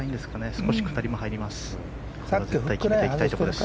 少し下りも入ります。